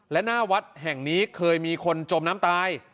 และหน้าวัดแห่งนี้เคยมีคนจมน้ำตาย